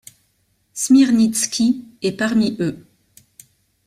Smirnitski est parmi eux.